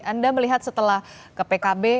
anda melihat setelah ke pkb